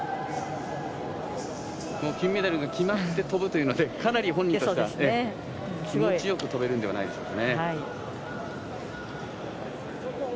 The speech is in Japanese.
金メダルが決まって跳ぶというのでかなり本人としては気持ちよく跳べるのではないでしょうか。